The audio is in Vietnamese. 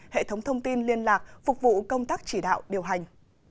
hệ thống thông tin liên lạc phục vụ công tác chỉ đạo điều hành